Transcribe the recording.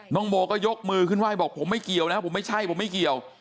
โมก็ยกมือขึ้นไห้บอกผมไม่เกี่ยวนะผมไม่ใช่ผมไม่เกี่ยว